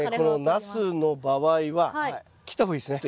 ナスの場合は切った方がいいですね